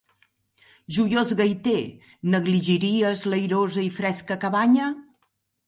Joiós gaiter, negligiries l'airosa i fresca cabanya?